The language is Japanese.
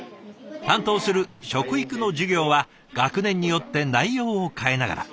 担当する食育の授業は学年によって内容を変えながら。